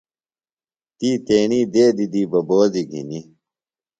تی تیݨی دیدی دی ببوزیۡ گِھنی۔